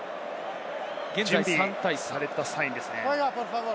準備されたサインですね。